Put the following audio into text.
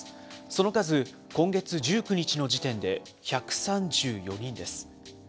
その数、今月１９日の時点で１３４人です。